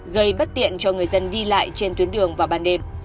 gây bất tiện cho người dân đi lại trên tuyến đường vào ban đêm